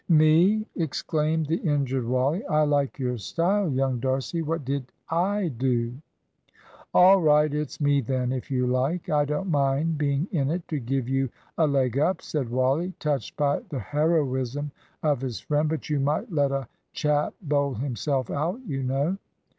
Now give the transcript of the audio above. "Me?" exclaimed the injured Wally; "I like your style, young D'Arcy; what did I do?" "All right, it's me then, if you like!" "I don't mind being in it, to give you a leg up," said Wally, touched by the heroism of his friend, "but you might let a chap bowl himself out, you know.